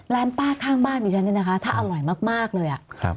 ร้านป้าข้างบ้านอีกแล้วนะคะถ้าอร่อยมากเลย